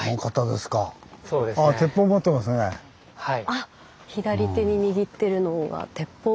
あっ左手に握っているのは鉄砲。